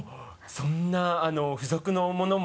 そんな付属のものも。